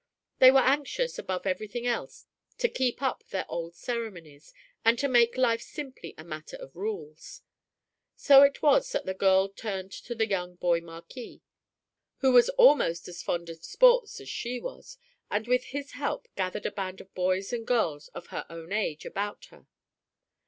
They were anxious above everything else to keep up their old ceremonies, and to make life simply a matter of rules. So it was that the girl turned to the young boy Marquis, who was almost as fond of sports as she was, and with his help gathered a band of boys and girls of her own age about her.